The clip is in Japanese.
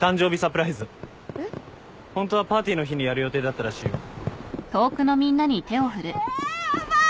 ホントはパーティーの日にやる予定だったらしいよ。えヤバい！